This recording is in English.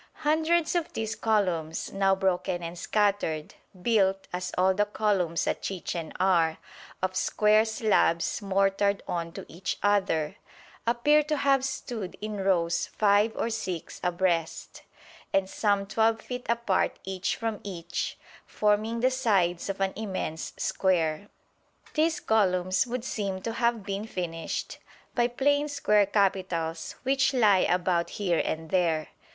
Hundreds of these columns, now broken and scattered, built, as all the columns at Chichen are, of square slabs mortared on to each other, appear to have stood in rows five or six abreast, and some 12 feet apart each from each, forming the sides of an immense square. These columns would seem to have been finished by plain square capitals which lie about here and there.